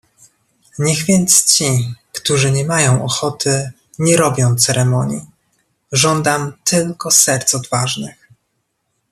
"Niech więc ci, którzy niemają ochoty, nie robią ceremonii; żądam tylko serc odważnych."